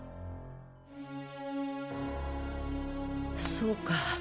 そうか。